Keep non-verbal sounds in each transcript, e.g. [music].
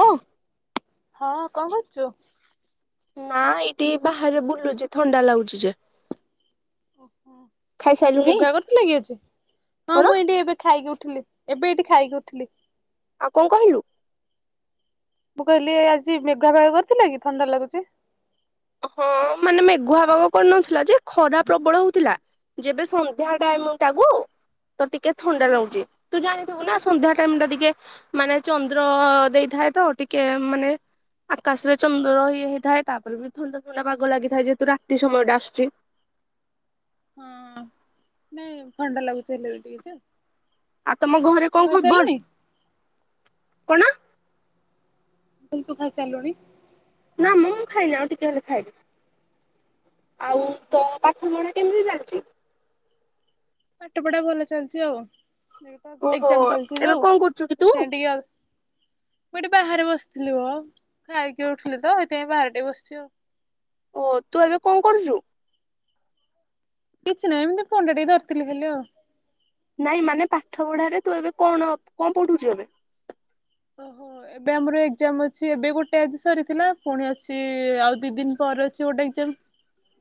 ଓ। ହଁ କଣ କରୁଚୁ? ନା, ଏଇଠି ବାହାରେ ବୁଲୁଚି ଥଣ୍ଡା ଲାଗୁଚି ଯେ। ଓହୋ ଖାଇସାଇଲୁଣି ମେଘୁଆ କରିଥିଲା କି ଆଜି? ହଁ, କଣ? ମୁଁ ଏଇଠି ଏବେ ଖାଇକି ଉଠିଲି। ଏବେ ଏଇଠି ଖାଇକି ଉଠିଲି। ଆଉ କଣ କହିଲୁ? ମୁଁ କହିଲି ଆଜି ମେଘୁଆ ପାଗ କରିଥିଲା କି, ଥଣ୍ଡା ଲାଗୁଛି। ହଁ ମାନେ ମେଘୁଆ ପାଗ କରିନଥିଲା ଯେ ଖରା ପ୍ରବଳ ହଉଥିଲା। ଯେବେ ହଁ ସନ୍ଧ୍ୟା ଟାଇମ ହଁ ଟାକୁ ତ ଟିକେ ଥଣ୍ଡା ଲାଗୁଛି। ତୁ ଜାଣିଥିବୁ ନା ସନ୍ଧ୍ୟା ଟାଇମରେ ଟିକେ ମାନେ ଚନ୍ଦ୍ର ଦେଇଥାଏ ତ ଟିକେ ମାନେ ଆକାଶରେ ଚନ୍ଦ୍ର ଇଏ ହେଇଥାଏ ତାପରେ ବି ଥଣ୍ଡା ଥଣ୍ଡା ପାଗ ଲାଗିଥାଏ ଯେହେତୁ ରାତ୍ରି ସମୟ ଟା ଆସୁଛି। ହଁ ନାଇଁ ଥଣ୍ଡା ଲାଗୁଛି ହେଲେ ବି ଟିକେ ଯେ। ଆଉ ତମ ଘରେ ତୁ କଣ ଖବର? ଖାଇସାରିଲୁଣି? କଣ? କହିଲି ତୁ ଖାଇସାରିଲୁଣି? ନା ମୁଁ ଖାଇନି ଆଉ ଟିକେ ହେଲେ ଖାଇବି। ଆଉ ଓହୋ ତୋ ପାଠ ପଢା କେମିତି ଚାଲଛି? ପାଠ ପଢା ଭଲ ଚାଛି ଆଉ। [inaudible] ଓହୋ ଏକ୍ଜାମ ଚାଲିଛି ଏବେ ଯୋଉ କଣ କରୁଛୁ କି ତୁ ସେ ଟିକ [unintelligible] ମୁଁ ଏଠି ବାହାରେ ବସିଥିଲି ମ ଆଉ ଖାଇକି ଉଠଥିଲି ତ ଏଥିପାଇଁ ବାହାର ଟେ ବସିଛି ଆଉ। ଓ ତୁ ଏବେ କଣ କରୁଛୁ? କିଛି ନାଇ ଏମିତି ଫୋନ୍ ଟା ଟିକେ ଧରିଥିଲେ ଖାଲି ଆଉ। ନାଇଁ ମାନେ ପାଠ ପଢାରେ ତୁ ଏବେ କଣ କଣ ପଠୁଛୁ ଏବେ? ଓହୋ ଏବେ ଆମର ଏକ୍ଜାମ ଅଛି। ଏବେ ଗୋଟେ ଆଜି ସରିଥିଲା। ପୁଣି ଅଛି ଆଉ ଦି ଦିନ ପରେ ଅଛି ଗୋଟେ ଏକ୍ଜାମ। ହ [unintelligible]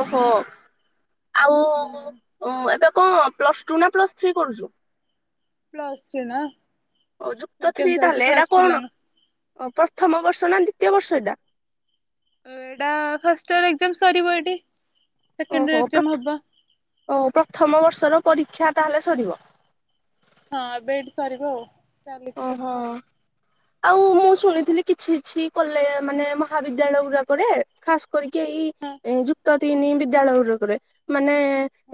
ଓହୋ ଆଉ ଏବେ କଣ ପ୍ଲସ ଟୁ ନା ପ୍ଲସ୍ ଥ୍ରୀ କରୁଛୁ? ପ୍ଲସ ଥ୍ରି ନାଁ। ଓ ଯୁକ୍ତ ଥ୍ରି ତାହେଲେ ଏଇଟା କଣ ପ୍ରଥମ ବର୍ଷ ନା ଦି ଦୃତୀୟ ବର୍ଷ ଏଇଟା। ଏଇଟା ଫାର୍ଷ୍ଟ ଇୟର୍ ଏକ୍ଜାମ ସରିିବ ଏଟି। ଓହୋ ପ୍ରଥ୍ ଓ ପ୍ରଥମ ବର୍ଷର ପରୀକ୍ଷା ତାହେଲେ ସରିବ। ହଁ ଏବେ ଏଇଟି ସରିବ ଆଉ ଚାଲିଛି ପରୀକ୍ଷା ଓହୋ। ଆଉ। ଆଉ ମୁଁ ଶୁଣିଥିଲି କିଛି କିଛି କଲେ ମାନେ ମହାବିଦ୍ୟାଳୟ ଗୁଡାକରେ ଖାଶ୍ କରିକି ଏଇ ହଁ ଯୁକ୍ତ ତିନି ବିଦ୍ୟାଳୟ ଗୁରକରେ ମାନେ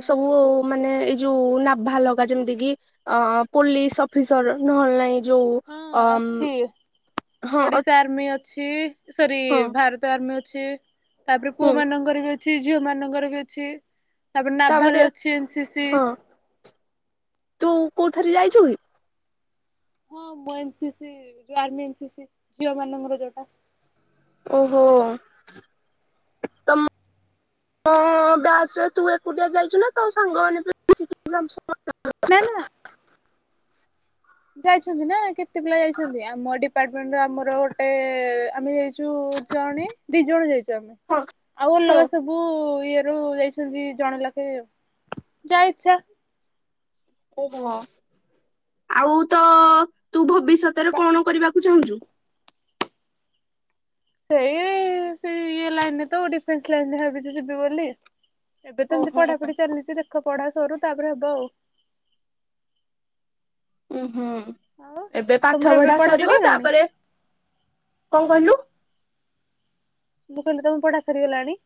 ସବୁ ମାନେ ଏଇ ଯୋଉ ନାଭାଲଗା ଯେମିତି କି ଅ ପୋଲିସ ଅଫିସର ନହେଲେ ନାଇଁ ଯଉ ହଁ ହଁ ଅ ଅଛି ହଁ ଓଡିଶା ଆର୍ମି ଅଛି ସରି ହଁ ଭାରତ ଆର୍ମି ଅଛି। ତାପରେ ପୁଅ ହୁଁ ମାନଙ୍କର ବି ଅଛି ଝିଅ ମାନଙ୍କର ବି ଅଛି। ତାପରେ ତାପରେ ନାଭାଲ ଅଛି ଏନ୍ ସି ସି ହଁ ତୁ କୋଉ ଥରେ ଯାଇଛୁ କି? ହଁ ମୁଁ ଏନ୍ ସି ସି ଯୋଉ ଆର୍ମି ଏନ୍ ସି ସି ଝିଅ ମାନଙ୍କର ଯୋଉଟା। ହ ତମ୍ ହଁ ବ୍ୟାଚ ର ତୁ ଏକୁଟିଆ ଯାଇଛୁ ନା ତ ସାଙ୍ଗମାନେ ମିସିକି [unintelligible] ନା ନା ଯାଇଛନ୍ତି ନା କେତେ ପିଲା ଯାଇଛନ୍ତି ଆମ ଡିପାର୍ଟମେଣ୍ଟ ଆମର ଗୋଟେ ଆମେ ଯାଇଛୁ ଜଣେ ଦି ଜଣ ଯାଇଛୁ ଆମେ ହଁ ଆଉ ହଁ ଅଲଗା ସବୁ ଇଏ ରୁ ଯାଇଛନ୍ତି ଜଣେ ଲଖେ ଯା ଇଛା। ଓହୋ ଆଉ ତ ତୁ ଭବିଷ୍ୟତରେ ବା କଣ କରିବା ତୁ ଚାହୁଁଛୁ ସେଇ ସେ ଇଏ ଲାଇନ ରେ ତ ଡିଫେନ୍ସ ଲାଇନରେ ଭବିଛି ଯିବି ବୋଲି। ଏବେ ଏମିତି ଓହୋ ପଢାପଢି ଚାଲିଛି ଦେଖ ପଢା ସରୁ ତାପରେ ହବ ଆଉ। ଉ ହୁଁ। ଆଉ ଏବେ ପାଠ ତମର ଏବେ ପଢା ସରିବ ସରିଗଲାଣି ତାପରେ କଣ କହିଲୁ? ମୁଁ କହିଲି ତମ ପଢା ସରିଗଲାଣି?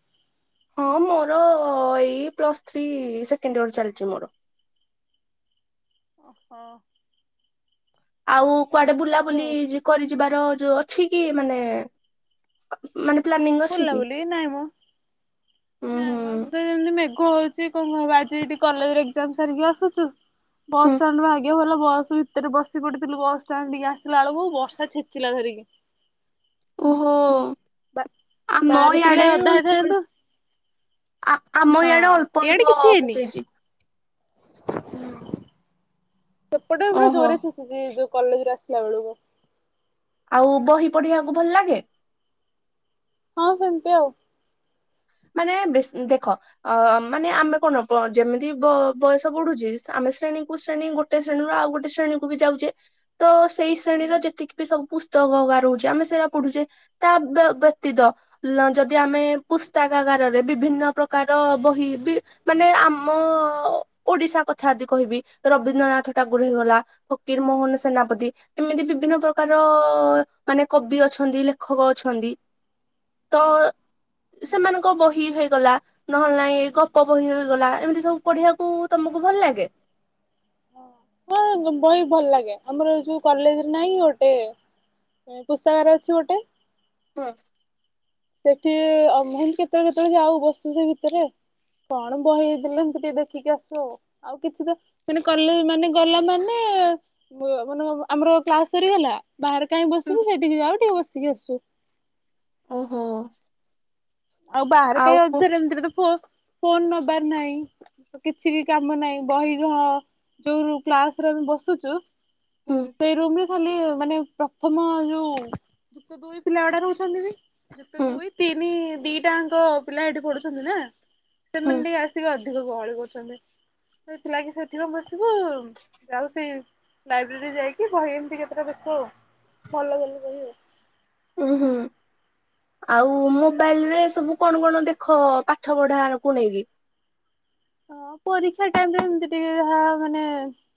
ହଁ ମୋର ଏଇ ପ୍ଲସ୍ ଥ୍ରୀ ସେକେଣ୍ଡ ଇୟର ଚାଲିଛି ମୋର ଓହ। ଆଉ କୁଆଡେ ବୁଲାବୁଲି କରି ଯିବାର ଯୋଉ ଅଛି କି ମାନେ ମାନେ ପ୍ଲାନିଂ ଅଛି ବୁଲା କି? ବୁଲି ନାଇଁ ମ ଉଁ ନାଇଁ ହୁଁ ମ ଏବେ ଯେମତି ମ କହୁଛି କଣ କ ଆଜି ଏଠି କଲେଜ ଏକ୍ଜାମ ସାରିକି ଆସୁଛୁ ବସ୍ ହୁଁ ଷ୍ଟାଣ୍ଡ ଭା ଟିକେ ଭଲ ବସ୍ ଭିତରେ ବସି ପଡିଥିଲୁ ବସଷ୍ଟାଣ୍ଡ ଟିକେ ଆସିଲା ବେଳକୁ ବର୍ଷା ଛେଚିଲା ଧରିକି। ଓହୋ ହୁଁ। ଆମ ଇଆଡେ ଅଳ୍ପ ଅଳ୍ପ ଆ ଆମ ହଁ ଇଆଡେ ଅଳ୍ପ ଅଳ୍ପ ପକେଇଛି। ହୁଁ। ସେପଟେ ବି ପୁରା ଓହୋ। ଜୋରେ ଯୋଉ କଲେଜରେ ଆସିଲା ବେଳକୁ। ଆଉ ବହି ପଢିବାକୁ ଭଲ ଲାଗେ? ହଁ ସେମିତି ଆଉ। ମାନେ ବ ଦେଖ ଅ ମାନେ ଆମେ କଣ ଯେମିତି ବୟସ ବଢୁଛି ଶ୍ରେଣୀ କ ଶ୍ରେଣୀ ଗୋଟେ ଶ୍ରେଣୀରୁ ଆଉ ଗୋଟେ ଶ୍ରେଣୀକୁ ବି ଯାଉଛେ ତ ସେଇ ଶ୍ରେଣୀର ଯେତିକି ସବୁ ଗଗା ରହୁଛି ଆମେ ସେଟା ପଢୁଛେ ତା ବ୍ୟତୀତ ଯଦି ଆମେ ତଗାଗାରରେ ବିଭିନ୍ନ ପ୍ରକାର ବହି ବି ମାନେ ଆମ ଓଡିଶା କଥା ଯଦି କହିବି ରବୀନ୍ଦ୍ରନାଥ ଟା ଗର ହେଇଗଲା କିୀର ମୋହନ ସେନାପତି ଏମିତି ବିଭିନ୍ନ ପ୍ରକାର ମାନେ କବି ଅଛନ୍ତି ଲେଖକ ଅଛନ୍ତି ତ ସେମାନଙ୍କ ବହି ହେଇଗଲା ନହେଲେ ନାଇ ଗପ ବହି ହେଇଗଲା ଏମିତି ସବୁ ପଢିବାକୁ ତମକୁ ଭଲ ଭଲ ଲାଗେ? ହଁ ବହି ଭଲ ଲାଗେ ଆମର ଯୋଉ କଲେଜରେ ନହିଁ ଗୋଟେ ପୁସ୍ତକରେ ଅଛି ଗୋଟେ ହଁ। ସେଠି ଅମ କେତେବେଳେ କେତେବେଳେ ଯାଉ ବସୁ ସେ ଭିତରେ କଣ ବହିଲେ ଏମତି ଟିକେ ଦେଖିକି ଆସ ଆ ଆଉ କିଛି ତ ସେ କଲେ ମାନେ ଗଲା ମାନେ ମାନେ ଆମର କ୍ଲାସ ସରିଗଲା ବାହାରେ କାହିଁକ ବସୁ ସେଠିକି ଯାଉ ଟିକେ ବସିକି ଆସୁ। ଓହୋ। [unintelligible] ଆଉ ଫୋନ ନବାର ନାହିଁ କିଛି ବି କାମ ନାହିଁ ବହିଘହ ଯୋଉ କ୍ଲାସରେ ଆମେ ବସୁଛୁ ହୁଁ ସେଇ ରୁମ ରେ ଖାଲି ମାନେ ପ୍ରଥମ ଯୋଉ ଯୁତ ଦୁଇ ପିଲା ଗୁଡା ରହୁଛନ୍ତି ବି ଯେତେ ହୁଁ ଦୁଇ ତିନି ଦିଟାଙ୍କ ପିଲା ଏଇଠି ପଢୁଛନ୍ତି ନା ହୁଁ ସେମାନେ ଟିକେ ଆସିକି ଅିକ- ସେିକ ଗହଳି କରୁଛନ୍ତି ସେଥିଲାଗି ସେଠପ ବସିବୁ ଯାଉ ସେଇ ଲାଇବ୍ରେରୀ ଯାଇକି ବହି ଏମତି କେତେଟା ଦେଖୁ ଆଉ ଭଲଭଲ ବହି ଆଉ। ଓ ହୁ। ଆଉ ମୋବାଇଲ ରେ ସବୁ କଣ କଣ ଦେଖ ପାଠ ପଢାକୁ ନେଇକି? [unintelligible] ହଁ ପରୀକ୍ଷା ଟାଇମ ରେ ଟିକେ ଯାହା ମାନେ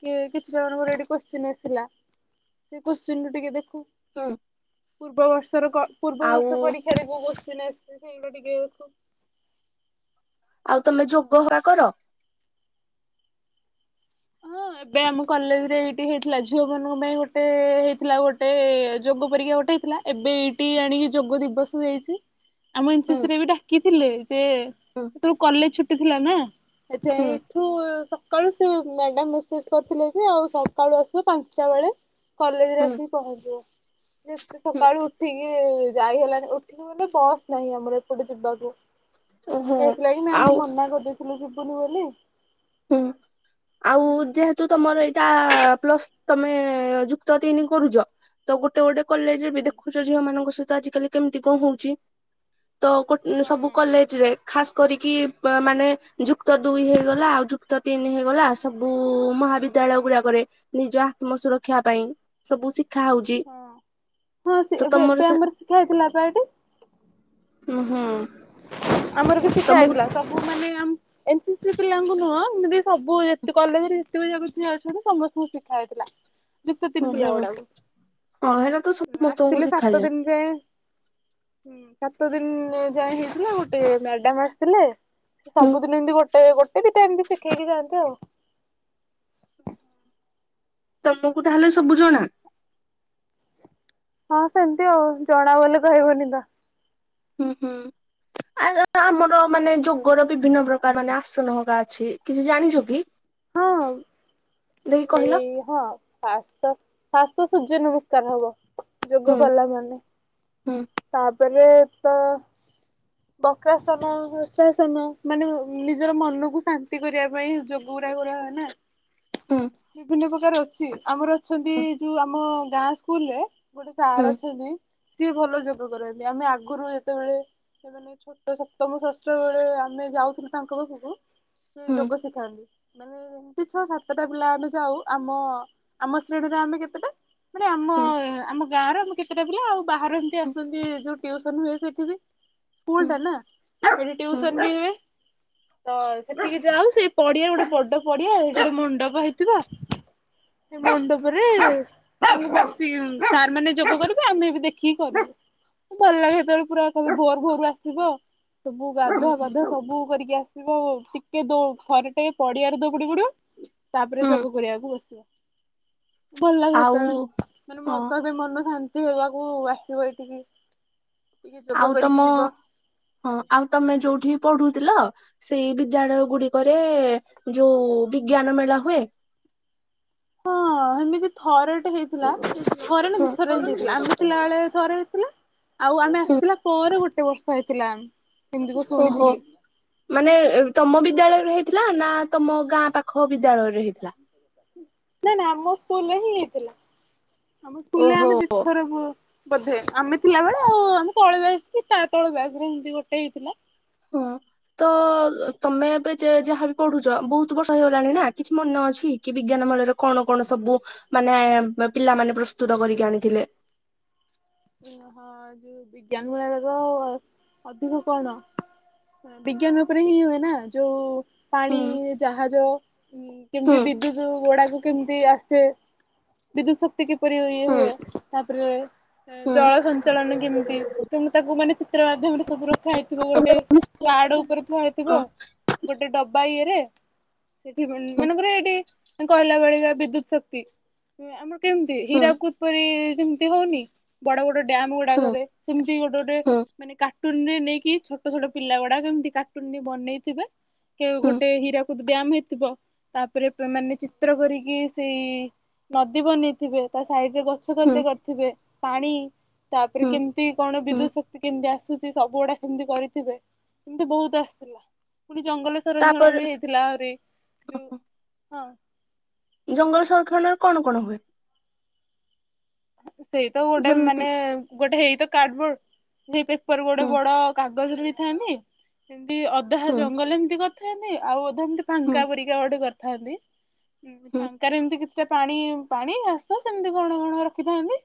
କିଛି ଜ ମାନଙ୍କର ଆସିଲା ସେ କୋଶ୍ଚିିନୁ ଟିକେ ଦେଖ ହୁଁ ପୂର୍ବ ବର୍ଷର ପୂର୍ବ ଆଉ ବର୍ଷ ପରୀକ୍ଷା ଦେ କିସ ସେଇଗ ଟିକ ଖୁ ଆଉ ତମେ ଯୋଗ ହେ କର? ହଁ ଏବେ ଆମ କଲେଜରେ ଏଇଠି ହେଇଥିଲା ଝିଅ ମାନଙ୍କ ପାଇଁ ଗୋଟେ ହେଇଥିଲା ଗୋଟେ ଯୋଗ ପରକ୍ଷା ଟଇଥିଲା ଏବେ ଏଇଠି ଆଣିକି ଯୋଗ ଦିବସ ଯାଇଛି ଆମ ଏନସି ହୁଁ ରେ ବି ଡାକିଥିଲେ ହୁଁ ଯେତେୁ କଲେଜ ଛୁଟି ଥିଲା ନା ଏ ହୁଁ ଏଠୁ ସକାଳୁ ସେ ମଡାମ କରିଥିଲେ ଯେ ଆଉ ସକାଳୁ ଆସିବ ପାଞ୍ଚଟା ବେଳେ କଲେଜରେ ହୁଁ ଆସିକି ପହଞ୍ଚିବ। ଯେତେ ହୁଁ ସକାଳୁ ଉଠିକି ଯାଇ ହେଲଣି ଉଠିକି ମାନେ ବସ୍ ନାହିଁ ଆମର ଏପଟେ ଯିବାକୁ। ଓହୋ ହେଥିଲାଗି ନାଇ ଆଉ ମାମ କ୍ନୁ କରିଦେଇଥିଲୁ ଯିବୁନି ବୋଲ ହୁଁ। ଆଉ ଯେହେତୁ ତମର ଏଇଟା ପ୍ଲସ ତମେ ଯୁକ୍ତ ତିନି କରୁଛ? ତ ଗୋଟେ ଗୋଟେ କଲେଜରେ ବି ହୁଁ ଦେଖୁଛ ଝିଅ ମାନଙ୍କ ସହିତ ଆଜି କାଲି କେମିତି କଣ ହଉଛି। ତ ହଁ ସବୁ କଲେଜ ରେ ଖାସ କରିକି ମାନେ ଯୁକ୍ତ ଦୁଇ ହେଇଗଲା ଆଉ ଦନ ହେଇଗଲା ସବୁ ମହାବିଦ୍ୟାଳୟ ଗୁଡାକରେ ନିଜ ଆତ୍ମ ସୁରକ୍ଷା ପାଇଁ ସବୁ ଶିକ୍ଷା ହଁ ହଁ ସେ ତମର ଏବେ ଆମର ଶିଖାାଇଥିଲା ଏଠି। ଓ ହଁ। ଆମର ବି ଶିକ୍ଷା ହେଇଥିଲା ସବୁ ମାନେ ଏନ୍‌ ସିସି ପିଲାଙ୍କୁ ନୁହଁ ମାନେ ସବୁ କଲେଜରେ ଯେତକ ଜାଗ ଯ ଅଛନ୍ତି ସମସ୍ତଙ୍କୁ ଶିଖା ହେଇଥିଲା। [inaudible] ଯୁକ୍ତ ତିନି ପିଲା ହୁଁ ଗୁଡାକୁ ହଁ ହେରା ତ [inaudible] ସମସ୍ତଙ୍କୁ ଆସିଥିଲେ ସାତ ଶିଖାଯାଏ ଦିନ ଯାଏଁ। [inaudible] ହୁଁ ସାତ ଦିନ ଯାଏ ହେଇଥିଲା ଗୋଟେ ମ୍ୟାଡାମ ଆସିଥିଲେ ସେ ହୁଁ ସବୁଦିନ ଏମତି ଗୋ ଗୋଟେ ଦିଟା ଏମତି ଶିଖେଇକି ଯାଆନ୍ତି ଆଉ [inaudible] ତମକୁ ତାହେଲେ ସବୁ ଜଣା? ହଁ ସେମିତି ଆଉ ଜଣା ବୋଲି କହିବନି ତ। ହୁଁ ହୁଁ। ଆମର ମାନେ ଯୋଗର ବିଭିନ୍ନ ପ୍ରକାର ମାନେ ଆସନହକା ଅଛି କିଛି ଜାଣିଛ କି? ହଁ ଦେଇକି [inaudible] କହିଲ ଏଇ ହଁ ଫାଷ୍ଟତ ଫାଷ୍ଟ ତ ସୂର୍ଯ୍ୟ ନମସ୍କାର ହବ ଯୋଗ ହୁଁ କଲା ମାନେ ହୁଁ [inaudible] ତା ପରେ ତ ବକାସନ ହର୍ଷାସନ ମାନେ ନିଜର ମନକୁ ଶାନ୍ତି କରିବା ପାଇଁ ଯୋଗ ଗୁରା ଗୁରା ନା ହୁଁ [inaudible] ବିଭିନ୍ନ ପ୍ରକାର ଅଛି ଆମର ଅଛନ୍ତି ହୁଁ ଯୋଉ ଆମ ଗାଁ ସ୍କୁଲରେ ଗୋଟେ ସାର୍ ହୁଁ ଅଛନ୍ତି ସିଏ ଭଲ ଯୋଗ କରନ୍ତି। ଆମେ ଆଗୁରୁ ଯେତେବେଳେ ସେମାନେ ଛୋଟ ସପ୍ତମ ଷାଷ୍ଠ ବେଳେ ଆମେ ଯାଉଥିଲୁ ତାଙ୍କ ପାଖକୁ ସେ ହୁଁ ଯୋଗ ଶିଖାନ୍ତି। ମାନେ ଏମିତି ଛଅ ସାତଟା ପିଲା ଆଡେ ଯାଉ ଆମ ଆମ ଶ୍ରେଣୀରେ ଆମେ କେତେଟା ମାନେ ଆମ ହୁଁ ଆମ ଗାଁରେ ଆମେ କେତେଟା ପିଲା ଆଉ ବାହାରେ ଏମିତି ହୁଁ ଆସନ୍ତି। ଯୋଉ ଟିଉସନ ହୁଏ ସେଠି ଵି ସ୍କୁଲ ହୁଁ ଟା ନାଁ ସେଠି ହୁଁ ଟିଉସନ ଵି ହୁଏ। ତ ସେଠିକି ଯାଉ ସେ ପଡିଆରେ ଗୋଟେ ବଡ ପଡିଆ ସେଠି ଗୋଟେ ମଣ୍ଡପ ହେଇଥିବ। ସେ ମଣ୍ଡପରେ ବସି ସାର୍ ମାନେ ଯୋଗ କରିବେ ଆମେ ବି ଦେଖିକି କରିବୁ। ଭଲ ଲାଗେ ସେତେବେଳେ ପୁରା କବେ ଭୋର ଭୋରରୁ ଆସିବ। ସବୁ ଗାଧୁଆ ହୁଁ ପାଧୁଆ ସବୁ କରିକି ଆସିବ ଟିକେ ଦ ଥର ଟେ ପଡିଆ ର ଦୋଡି ବୋଡିବ ତାପରେ ହୁଁ ଯୋଗ କରିବାକୁ ବସିବ। ଭଲ ଲାଗେ ଆଉ ସେତେବେଳେ ହଁ ମାନେ କହିବେ ମନ ଶାନ୍ତି ହେବାକୁ ଆସିବ ଏଇଠିକି। ଆଉ ତମ ହଁ ଆଉ ତମେ ଯୋଉଠି ପଢୁଥିଲ ସେଇ ବିଦ୍ୟାଳୟ ଗୁଡିକରେ ଯୋଉ ବିଜ୍ଞାନ ମେଳା ହୁଏ? ହଁ ସେମିତି ଥରେଟେ ହେଇଥିଲା ଥରେ ନା ଦି ଥରେ ହେଇଥିଲା ଆମେ ଥିଲାବେଳେ। ଥରେ ହେଇଥିଲା ଆଉ ଆମେ ଆସିଥିଲା ପରେ ଗୋଟେ ବର୍ଷ ହେଇଥିଲା। ଏମିତିକୁ ଓହୋ ଶୁଣିଥିଲି। ମାନେ ତମ ବିଦ୍ୟାଳୟରେ ହେଇଥିଲା ନା ତମ ଗାଁ ପା ଖ ବିଦ୍ୟାଳୟରେ ହେଇଥିଲା? ନାଇ ନା ଆମ ସ୍କୁଲରେ ହିଁ ହେଇଥିଲା। [inaudible] ଆମ ସ୍କୁଲରେ ଓହୋ ଆମେ ଦୁଥର ପୁଅ ବୋଧେ ଆମେ ଥିଲାବେଳେ ଆଉ ଆମେ ତଳେ ବ୍ୟାଜ କି ତା ତଳେ ବଆଜରେ ଏମତି ଗୋଟେ ହେଇଥିଲା। ହଁ। ତ ତମେ ଏବେ ଯାହାଵି ପଢୁଛ ବହୁତ ବର୍ଷ ହେଇଗଲାଣି ନା କିଛି ମନେ ଅଛି କି ବିଜ୍ଞା ରେ କଣ କଣ ସବୁ ମାନେ ପିଲାମାନୋନେ ପ୍ରସ୍ତୁତ କରିକି ଆଣିଥିଲେ? ଓ ହଁ ଯଉ ବିଜ୍ଞାନ ମୂଳ ର ଅଧିକ କଣ? ବିଜ୍ଞାନ ଉପରେ ହିଁ ହୁଏ ନା ଯୋଉ ପାଣି ହୁଁ ଜାହାଜ କେମିତି ହୁଁ ବିଦ୍ୟୁତ ଗୁଡାକୁ କେମିତି ଆସ ସେ ବିଦ୍ୟୁତ୍ ଶକ୍ତି କି ପରି ଇଏ ହୁଁ ହୁଏ ତାପରେ ହୁଁ ଜଳ ସଞ୍ଚାଳନ କେମିତି ତ ମୁ ତାକୁ ମାନେ ଚିତ୍ର ମାଧ୍ୟମରେ ସବୁ ର ହେଇଥିବ ଗୋଟେ କାର୍ଡ ଉପରେ ଥୁଆହେଇଥିବା ହୁଁ ଗୋଟେ ଡବା ଇଏରେ ସେଠି ମନେକର ଏଠି କହଲା ଭଳିଆ ବିଦ୍ୟୁତ ଶକ୍ତି ଆମ କେମିତି ହୁଁ ହୁଁ ହୀରାକୁଦପରି ସେମିତି ହଉନି ବଡ ବଡ ଡ ହୁଁ ଗୁଡାକରେ ସେମିତି ଗୋଟେ ଗୋଟେ ହୁଁ ମାନେ କାର୍ଟୁନ ରେ ନେଇକି ଛୋଟ ଛୋଟ ପିଲା ଗୁଡାକ କେମିତି କାର୍ଟୁନ ବନେଇଥିବେ କେ ହୁଁ ଗୋଟେ ହିରା ବହୁ ବ୍ୟାୟାମ ହେଇଥିବ ତାପରେ ମାନେ ଚିତ୍ର କରିକି ସେଇ ନଦୀ ବନେଇଥିବେ ତା ସାଇଡରେ ଗଛ ହୁଁ ଗତ କରିଥିବେ ପାଣି ତାପରେ ହୁଁ କେମିତି କଣ ହୁଁ ବିଦ୍ୟୁତ୍ ଶକ୍ତି କେମିତି ଆସୁଛି ସବୁ ଗୁଡା ସେମିତି କରିଥିବେ ଏମିତି ବହୁତ ଆସିଥି ପୁଣି ଜଙ୍ଗଲ ସଂରକ୍ଷଣ ତାପରେ ବି ହେଇଥିଲା ଆହୁରି ଯୋଉ ହଁ। ଜଙ୍ଗଲ ସଂରକ୍ଷଣରେ କଣ କଣ ହୁଏ? ସେଇ ତ ଗୋଟେ ଯେମିତି ମାନେ ଗୋଟେ ହେଇତ କାର୍ଡବୋର୍ଡ ହେଇ ଉପରେ ଗୋଟେ ହୁଁ ବଡ କାଗଜରେ ବି ଥାନ୍ତିି ଏମିତି ଅଧା ହୁଁ ଜଙ୍ଗଲ ଏମିତି କରିଥାନ୍ତି ଆଉ ଅ ମତି ହୁଁ ଫାଙ୍କା ପରିକାଟେ କରିଥାନ୍ତି ହୁଁ ଫାଙ୍କା ରେ ଏମତି କିଛି ସେ ପାଣି ପାଣି ଘାସ ସେମିତି କଣ କଣ ରଖିଥାନ୍ତି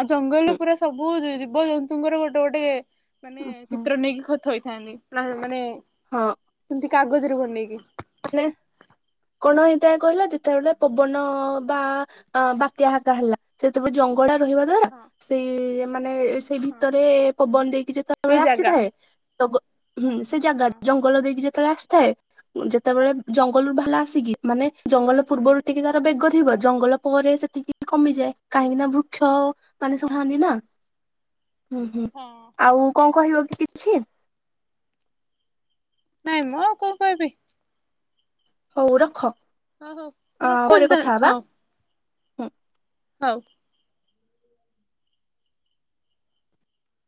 ଆଉ ଜଙ୍ଗଲରେ ହୁଁ ପୁରା ସବୁ ଜବଜନ୍ତୁଙ୍କର ଗୋଟେ ଗୋଟେ ମାନେ ହୁଁ ଚିତ୍ର ନେଇକି ଖତ ହେଇଥାନ୍ତି ମାନେ ହଁ। ଏମିତି କାଗଜରେ ବନେଇକି। ମାନେ କଣ ହେଇଥା କହିଲ ଯେ ଯେତେବେଳେ ପବନ ବା ବାତ୍ୟା ହାକା ହେଲା ସେତେବେଳେ ଜଙ୍ଗ ରହିବା ଦ୍ଵାରା ହଁ ସେଇ ମାନେ ସେଇ ହଁ ଭିତରେ ପବନ ଦେଇକି ସେଇ ଯେତେବେଳେ ଜାଗା ଆସିଥାଏ ତ ହୁଁ ସେ ହଁ ଜାଗା ଜଙ୍ଗଲ ଦେଇକି ଯେତେବେଳେ ଆସିଥାଏ। ଯେତେବେଳେ ଜଙ୍ଗଲରୁୁ ବାଲା ଆସିକି ମାନେ ଜଙ୍ଗଲ ପୂର୍ବରୁତିକି ତାର ବେଗ ଥିବ ଜଙ୍ଗଲ ପରେ ସେତ୍ ଏତିକି କମିଯାଏ କାହିଁକି ନା ବୃକ୍ଷ ମାନଷ ହଁ। ଖଥାଆନ୍ତି ନା। ହୁଁ ହୁଁ ହଁ ଆଉ କଣ କହିବ କି କିଛି? ନାଇଁ ମୁଁ ଆଉ କୋଉ କହିବି। ହଉ ରଖ। ହଁ ହଁ ମୁଁ ରଖୁଛି ଧାନ ହଁ। ହଁ। ହଉ।